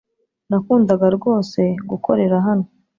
Nakundaga rwose gukorera hano .